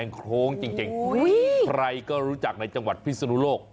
ใครก็รู้จักในจังหวัดพิศนุโลก